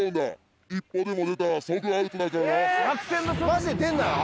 マジで出んなよ